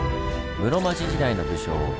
室町時代の武将